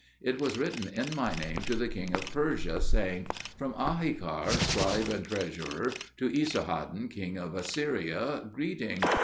It was written in my name to the king of Persia, saying, "From Ahikar, scribe and treasurer to Esar haddon, king of Assyria, greeting!